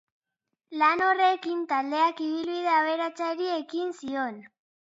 Lan horrekin taldeak ibilbide aberatsari ekin zion.